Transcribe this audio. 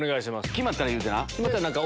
決まったら言うてな。